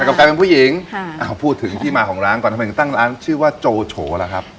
กลายเป็นผู้หญิงค่ะอ้าวพูดถึงที่มาของร้านก่อนทำไมถึงตั้งร้านชื่อว่าโจโฉล่ะครับ